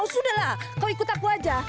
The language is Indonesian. sudahlah kau ikut aku aja